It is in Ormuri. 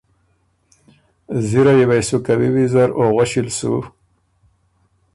زِرئ یه وې سو کوی ویزر او غؤݭی ل سُو